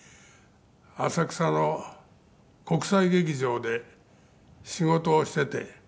「浅草の国際劇場で仕事をしていて」